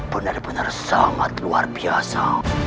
benar benar sangat luar biasa